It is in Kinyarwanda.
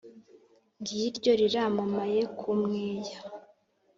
ng'iryo riramamaye ku mweya.